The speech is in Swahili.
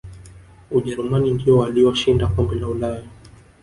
ujerumani ndiyo waliyoshinda kombe la ulaya